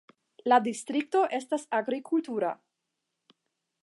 La distrikto estas agrikultura.